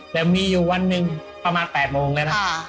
แต่มีอยู่วันหนึ่งประมาณ๘โมงแล้วนะ